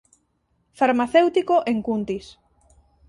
Farmacéutico en Cuntis.